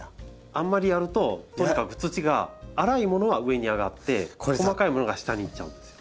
あんまりやるととにかく土が粗いものは上に上がって細かいものが下に行っちゃうんですよ。